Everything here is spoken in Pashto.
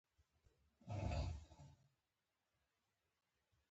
توري چای په ژمي کې ښه دي .